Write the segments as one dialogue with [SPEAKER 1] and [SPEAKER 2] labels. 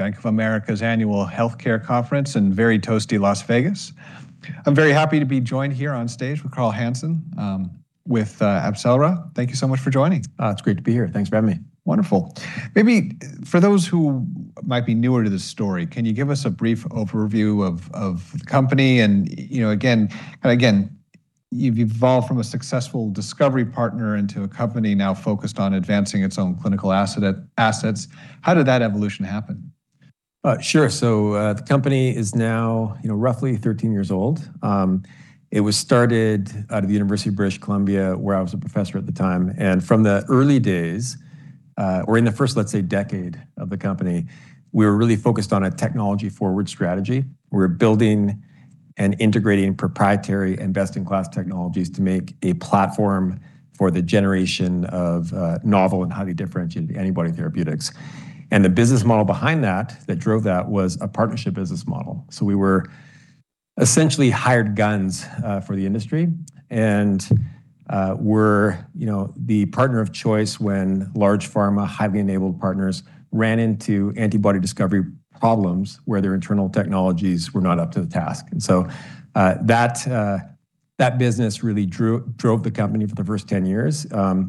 [SPEAKER 1] Bank of America's annual healthcare conference in very toasty Las Vegas. I'm very happy to be joined here on stage with Carl Hansen, with AbCellera. Thank you so much for joining.
[SPEAKER 2] Oh, it's great to be here. Thanks for having me.
[SPEAKER 1] Wonderful. Maybe for those who might be newer to this story, can you give us a brief overview of the company? You know, again, you've evolved from a successful discovery partner into a company now focused on advancing its own clinical assets. How did that evolution happen?
[SPEAKER 2] Sure. The company is now, you know, roughly 13 years old. It was started out of the University of British Columbia, where I was a professor at the time. From the early days, or in the first, let's say, decade of the company, we were really focused on a technology-forward strategy. We were building and integrating proprietary and best-in-class technologies to make a platform for the generation of novel and highly differentiated antibody therapeutics. The business model behind that drove that, was a partnership business model. We were essentially hired guns for the industry, and were, you know, the partner of choice when large pharma, highly enabled partners, ran into antibody discovery problems where their internal technologies were not up to the task. That business really drove the company for the first 10 years. The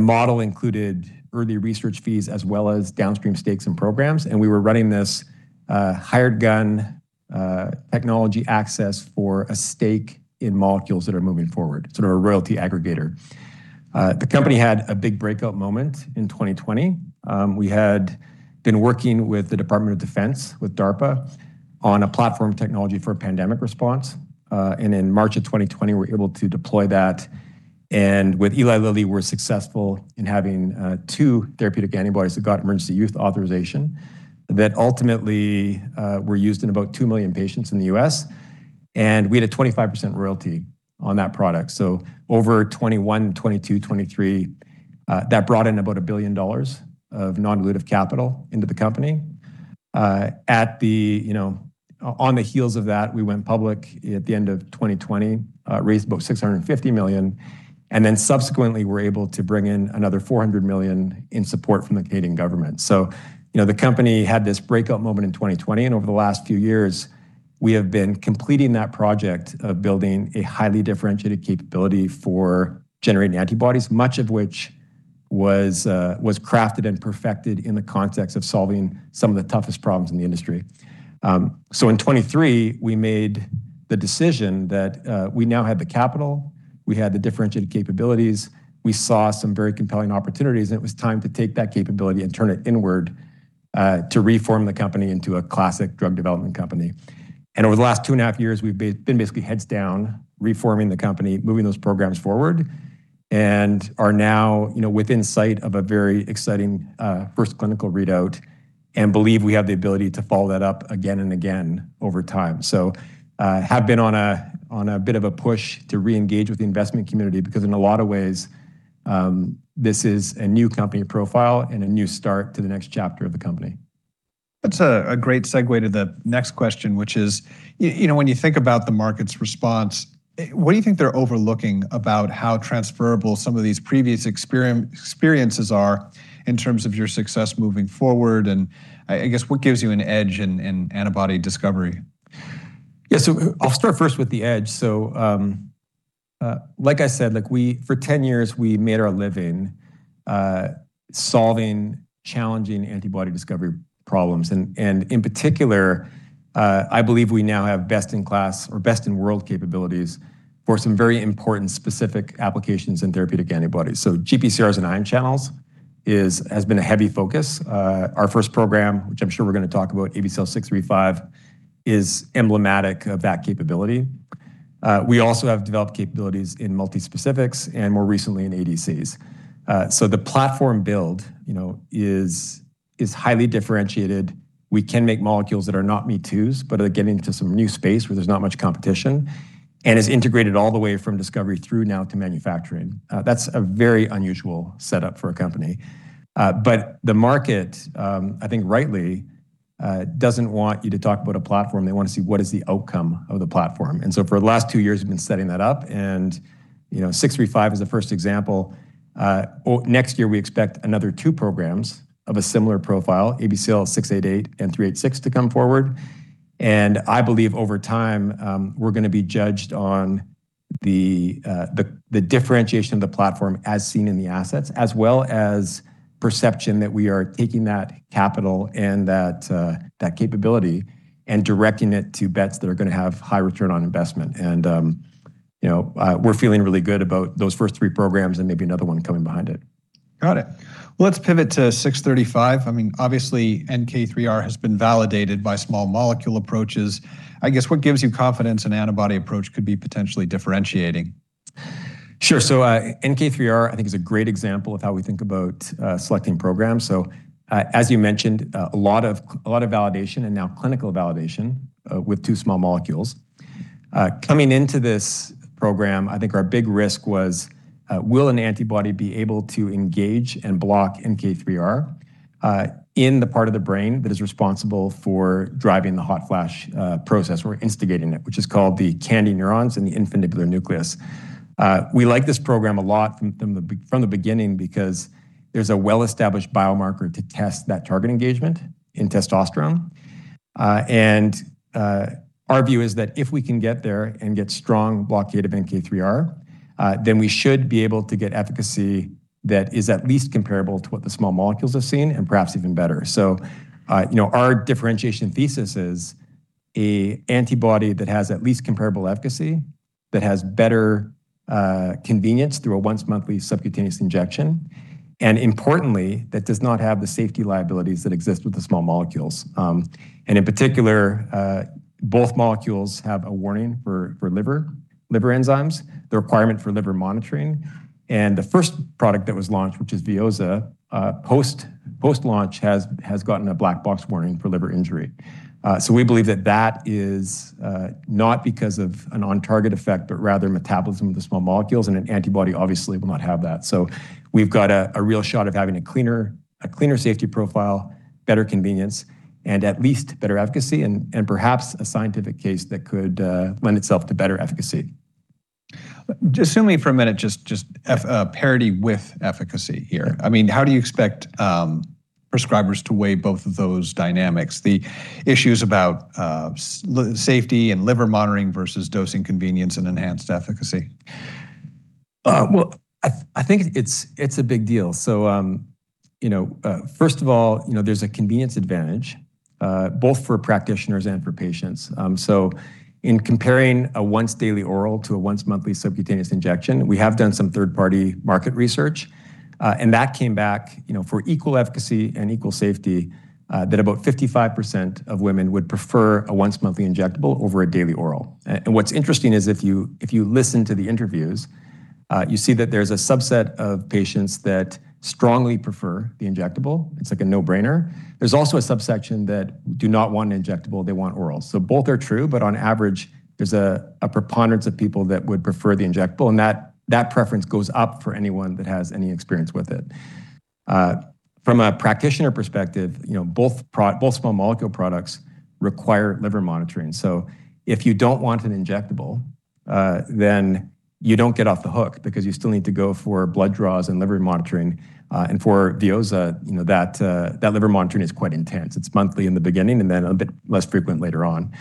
[SPEAKER 2] model included early research fees as well as downstream stakes and programs. We were running this hired gun technology access for a stake in molecules that are moving forward, sort of a royalty aggregator. The company had a big breakout moment in 2020. We had been working with the Department of Defense, with DARPA, on a platform technology for a pandemic response. In March of 2020, we were able to deploy that. With Eli Lilly, we were successful in having two therapeutic antibodies that got Emergency Use Authorization that ultimately were used in about 2 million patients in the U.S., and we had a 25% royalty on that product. Over 2021, 2022, 2023, that brought in about 1 billion dollars of non-dilutive capital into the company. You know, on the heels of that, we went public at the end of 2020, raised about 650 million, and then subsequently were able to bring in another 400 million in support from the Canadian Government. You know, the company had this breakout moment in 2020, and over the last few years, we have been completing that project of building a highly differentiated capability for generating antibodies, much of which was crafted and perfected in the context of solving some of the toughest problems in the industry. In 2023, we made the decision that we now had the capital, we had the differentiated capabilities, we saw some very compelling opportunities, and it was time to take that capability and turn it inward to reform the company into a classic drug development company. Over the last 2.5 years, we've been basically heads down, reforming the company, moving those programs forward, and are now, you know, within sight of a very exciting first clinical readout and believe we have the ability to follow that up again and again over time. Have been on a bit of a push to reengage with the investment community because in a lot of ways, this is a new company profile and a new start to the next chapter of the company.
[SPEAKER 1] That's a great segue to the next question, which is, you know, when you think about the market's response, what do you think they're overlooking about how transferable some of these previous experiences are in terms of your success moving forward? I guess, what gives you an edge in antibody discovery?
[SPEAKER 2] Yeah. I'll start first with the edge. Like I said, like for ten years, we made our living solving challenging antibody discovery problems. In particular, I believe we now have best in class or best in world capabilities for some very important specific applications in therapeutic antibodies. GPCRs and ion channels has been a heavy focus. Our first program, which I'm sure we're going to talk about, ABCL635, is emblematic of that capability. We also have developed capabilities in multispecifics and more recently in ADCs. The platform build, you know, is highly differentiated. We can make molecules that are not me toos, but are getting into some new space where there's not much competition and is integrated all the way from discovery through now to manufacturing. That's a very unusual setup for a company. But the market, I think rightly, doesn't want you to talk about a platform. They want to see what is the outcome of the platform. For the last two years, we've been setting that up and, you know, 635 is the first example. Next year we expect another two programs of a similar profile, ABCL688 and 386, to come forward. I believe over time, we're going to be judged on the differentiation of the platform as seen in the assets, as well as perception that we are taking that capital and that capability and directing it to bets that are going to have high return on investment. You know, we're feeling really good about those first three programs and maybe another one coming behind it.
[SPEAKER 1] Got it. Well, let's pivot to 635. I mean, obviously, NK3R has been validated by small molecule approaches. I guess what gives you confidence an antibody approach could be potentially differentiating?
[SPEAKER 2] Sure. NK3R I think is a great example of how we think about selecting programs. As you mentioned, a lot of validation and now clinical validation with two small molecules. Coming into this program, I think our big risk was, will an antibody be able to engage and block NK3R in the part of the brain that is responsible for driving the hot flash process or instigating it, which is called the KNDy neurons in the infundibular nucleus. We like this program a lot from the beginning because there's a well-established biomarker to test that target engagement in testosterone. Our view is that if we can get there and get strong blockade of NK3R, then we should be able to get efficacy that is at least comparable to what the small molecules have seen and perhaps even better. You know, our differentiation thesis is a antibody that has at least comparable efficacy, that has better convenience through a once monthly subcutaneous injection, and importantly, that does not have the safety liabilities that exist with the small molecules. In particular, both molecules have a warning for liver enzymes, the requirement for liver monitoring. The first product that was launched, which is VEOZAH, post-launch has gotten a black box warning for liver injury. We believe that that is not because of an on-target effect, but rather metabolism of the small molecules, and an antibody obviously will not have that. We've got a real shot of having a cleaner safety profile, better convenience, and at least better efficacy and perhaps a scientific case that could lend itself to better efficacy.
[SPEAKER 1] Just assuming for a minute, just parity with efficacy here.
[SPEAKER 2] Yeah.
[SPEAKER 1] I mean, how do you expect prescribers to weigh both of those dynamics, the issues about safety and liver monitoring versus dosing convenience and enhanced efficacy?
[SPEAKER 2] Well, I think it's a big deal. You know, first of all, you know, there's a convenience advantage both for practitioners and for patients. In comparing a once daily oral to a once monthly subcutaneous injection, we have done some third-party market research, and that came back, you know, for equal efficacy and equal safety, that about 55% of women would prefer a once monthly injectable over a daily oral. What's interesting is if you, if you listen to the interviews, you see that there's a subset of patients that strongly prefer the injectable. It's like a no-brainer. There's also a subsection that do not want an injectable, they want oral. Both are true, but on average, there's a preponderance of people that would prefer the injectable, and that preference goes up for anyone that has any experience with it. From a practitioner perspective, you know, both small molecule products require liver monitoring. If you don't want an injectable, then you don't get off the hook because you still need to go for blood draws and liver monitoring. And for VEOZAH, you know, that liver monitoring is quite intense. It's monthly in the beginning, and then a bit less frequent later on.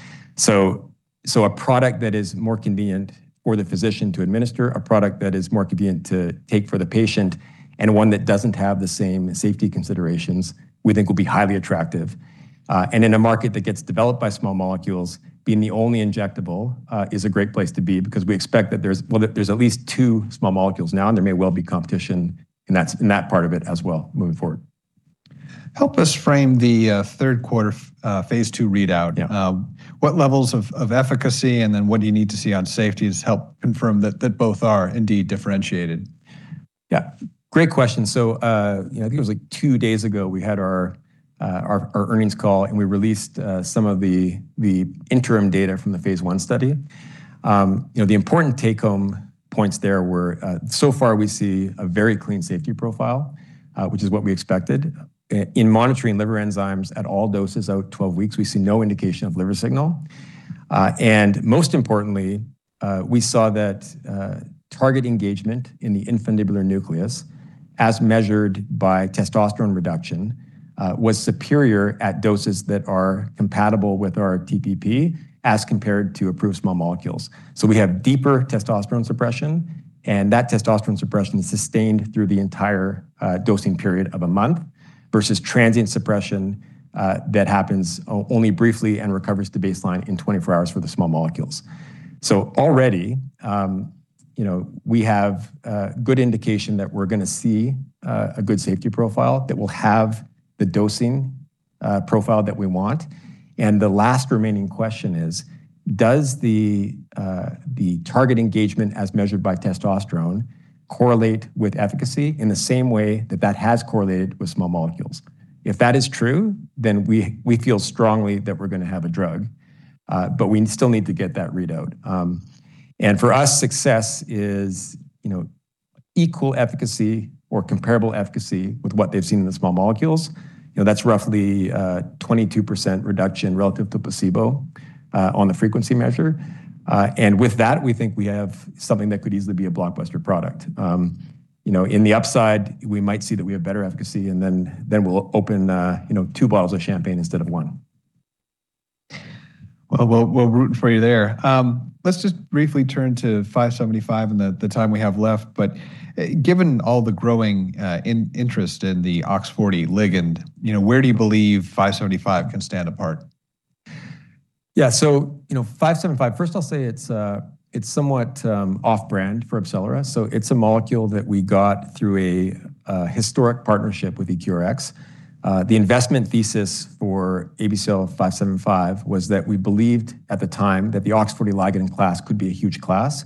[SPEAKER 2] A product that is more convenient for the physician to administer, a product that is more convenient to take for the patient, and one that doesn't have the same safety considerations, we think will be highly attractive. In a market that gets developed by small molecules, being the only injectable, is a great place to be because we expect that there's Well, there's at least two small molecules now, and there may well be competition in that part of it as well moving forward.
[SPEAKER 1] Help us frame the third quarter phase II readout.
[SPEAKER 2] Yeah.
[SPEAKER 1] What levels of efficacy and then what do you need to see on safety has helped confirm that both are indeed differentiated?
[SPEAKER 2] Yeah. Great question. You know, I think it was like two days ago, we had our earnings call, and we released some of the interim data from the phase I study. You know, the important take-home points there were, so far we see a very clean safety profile, which is what we expected. In monitoring liver enzymes at all doses out 12 weeks, we see no indication of liver signal. Most importantly, we saw that target engagement in the infundibular nucleus, as measured by testosterone reduction, was superior at doses that are compatible with our TPP as compared to approved small molecules. We have deeper testosterone suppression, and that testosterone suppression is sustained through the entire dosing period of a month versus transient suppression that happens only briefly and recovers to baseline in 24 hours for the small molecules. Already, you know, we have good indication that we're gonna see a good safety profile, that we'll have the dosing profile that we want. The last remaining question is, does the target engagement as measured by testosterone correlate with efficacy in the same way that has correlated with small molecules? If that is true, then we feel strongly that we're gonna have a drug, but we still need to get that readout. For us, success is, you know, equal efficacy or comparable efficacy with what they've seen in the small molecules. You know, that's roughly 22% reduction relative to placebo, on the frequency measure. With that, we think we have something that could easily be a blockbuster product. You know, in the upside, we might see that we have better efficacy, then we'll open, you know, two bottles of champagne instead of one.
[SPEAKER 1] Well, we're rooting for you there. Let's just briefly turn to ABCL575 in the time we have left. Given all the growing interest in the OX40 ligand, you know, where do you believe ABCL575 can stand apart?
[SPEAKER 2] Yeah. you know, 575, first I'll say it's somewhat off-brand for AbCellera. It's a molecule that we got through a historic partnership with EQRx. The investment thesis for ABCL-575 was that we believed at the time that the OX40 ligand class could be a huge class,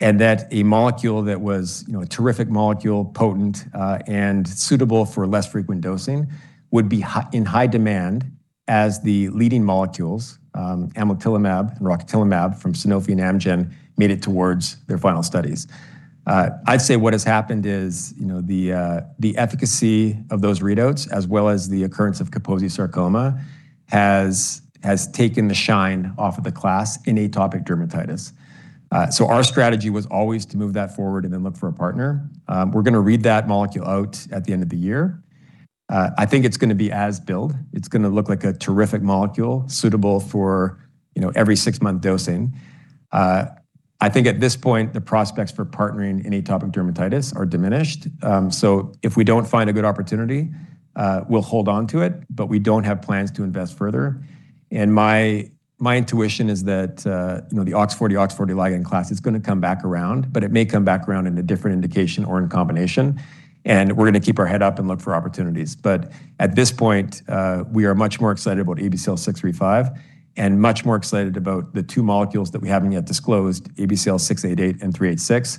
[SPEAKER 2] and that a molecule that was, you know, a terrific molecule, potent, and suitable for less frequent dosing would be in high demand as the leading molecules, amlitelimab and rocatinlimab from Sanofi and Amgen, made it towards their final studies. I'd say what has happened is, you know, the efficacy of those readouts, as well as the occurrence of Kaposi sarcoma has taken the shine off of the class in atopic dermatitis. Our strategy was always to move that forward and then look for a partner. We're gonna read that molecule out at the end of the year. I think it's gonna be as billed. It's gonna look like a terrific molecule suitable for, you know, every six-month dosing. I think at this point, the prospects for partnering in atopic dermatitis are diminished. If we don't find a good opportunity, we'll hold onto it, but we don't have plans to invest further. My intuition is that, you know, the OX40 ligand class is gonna come back around, but it may come back around in a different indication or in combination, and we're gonna keep our head up and look for opportunities. At this point, we are much more excited about ABCL635 and much more excited about the two molecules that we haven't yet disclosed, ABCL688 and 386,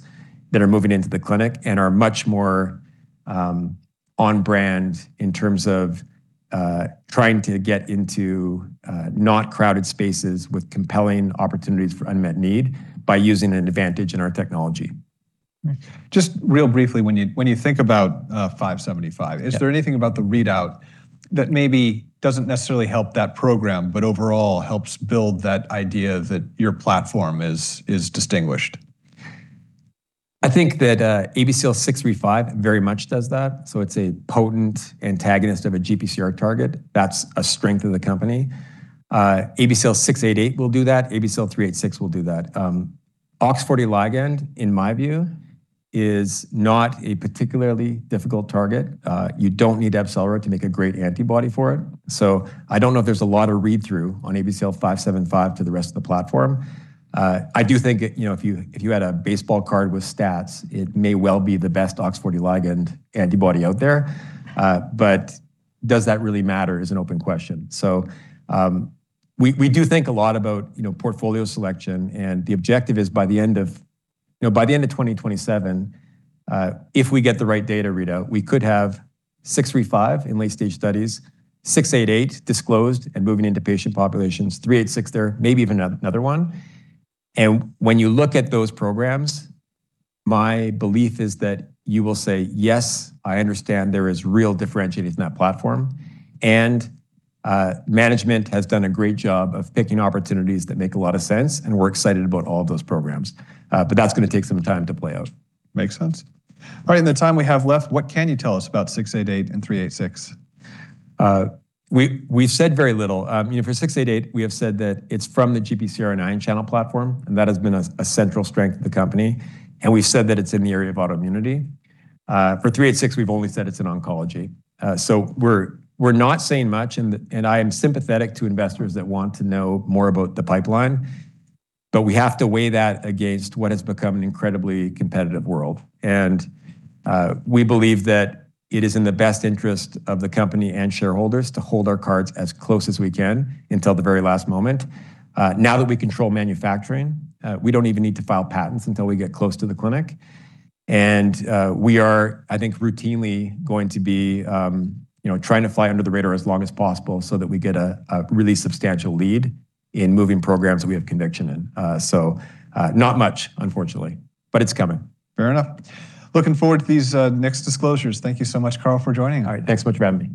[SPEAKER 2] that are moving into the clinic and are much more on brand in terms of trying to get into not crowded spaces with compelling opportunities for unmet need by using an advantage in our technology.
[SPEAKER 1] Just real briefly, when you think about, five seventy-five.
[SPEAKER 2] Yeah
[SPEAKER 1] Is there anything about the readout that maybe doesn't necessarily help that program, but overall helps build that idea that your platform is distinguished?
[SPEAKER 2] I think that ABCL635 very much does that, so it's a potent antagonist of a GPCR target. ABCL688 will do that. ABCL386 will do that. OX40 ligand, in my view, is not a particularly difficult target. You don't need AbCellera to make a great antibody for it. I don't know if there's a lot of read-through on ABCL575 to the rest of the platform. I do think it You know, if you had a baseball card with stats, it may well be the best OX40 ligand antibody out there. Does that really matter is an open question. We do think a lot about, you know, portfolio selection, the objective is by the end of, you know, by the end of 2027, if we get the right data readout, we could have 635 in late-stage studies, 688 disclosed and moving into patient populations, 386 there, maybe even another one. When you look at those programs, my belief is that you will say, "Yes, I understand there is real differentiation in that platform, management has done a great job of picking opportunities that make a lot of sense, and we're excited about all of those programs." But that's gonna take some time to play out.
[SPEAKER 1] Makes sense. All right, in the time we have left, what can you tell us about 688 and 386?
[SPEAKER 2] We've said very little. You know, for 688, we have said that it's from the GPCR and ion channel platform, and that has been a central strength of the company, and we've said that it's in the area of autoimmunity. For 386, we've only said it's in oncology. We're not saying much and I am sympathetic to investors that want to know more about the pipeline, but we have to weigh that against what has become an incredibly competitive world. We believe that it is in the best interest of the company and shareholders to hold our cards as close as we can until the very last moment. Now that we control manufacturing, we don't even need to file patents until we get close to the clinic. We are, I think, routinely going to be, you know, trying to fly under the radar as long as possible so that we get a really substantial lead in moving programs that we have conviction in. Not much, unfortunately, but it's coming.
[SPEAKER 1] Fair enough. Looking forward to these next disclosures. Thank you so much, Carl, for joining.
[SPEAKER 2] All right. Thanks so much, Geoff.